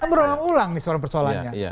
berulang ulang nih soal persoalannya